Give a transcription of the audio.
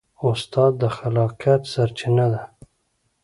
استاد د خلاقیت سرچینه ده.